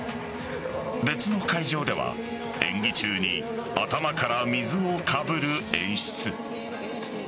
別の会場では演技中に頭から水をかぶる演出。